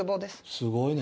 すごいね。